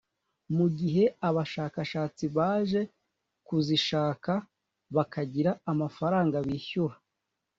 mu gihe abashakashatsi baje kuzishaka bakagira amafaranga bishyura